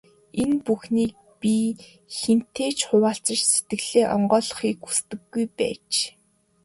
Энэ бүхнийг би хэнтэй ч хуваалцаж, сэтгэлээ онгойлгохыг хүсдэггүй байж.